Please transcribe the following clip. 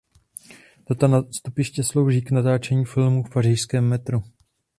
Toto nástupiště slouží k natáčení filmů v pařížském metru.